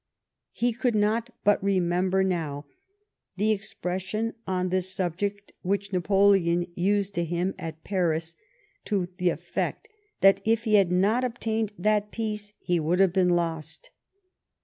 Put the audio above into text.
lie could not but remember, now, the ex pression on this subject which Napoleon used to him at Paris, to the effect that if he had not obtained that })eace, he would have been " lost."